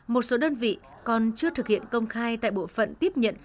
một số đơn vị còn chưa thực hiện công khai tại bộ phận tiếp nhận